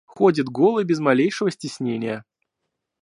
Ходит голой без малейшего стеснения.